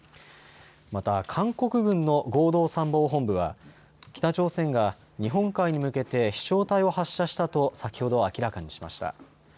また韓国軍の合同参謀本部は北朝鮮が日本海に向けて飛しょう体を発射したと先ほど明らかにしました。